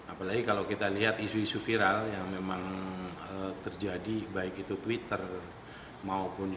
apalagi kalau kita lihat isu isu viral yang memang terjadi baik itu twitter maupun